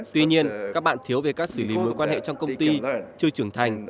tuy nhiên các bạn thiếu về cách xử lý mối quan hệ trong công ty chưa trưởng thành